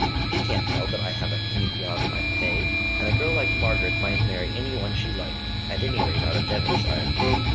He can't tell that I have a penny beyond my pay; and a girl like Margaret might marry any one she liked, at any rate out of Devonshire.